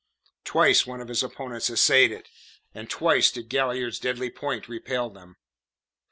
Twice one of his opponents essayed it, and twice did Galliard's deadly point repel him.